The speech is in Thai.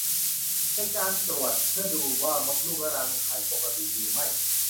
เป็นการตรวจเพื่อดูว่ามดลูกและรังไข่ปกติดีหรือไม่